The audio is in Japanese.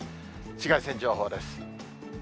紫外線情報です。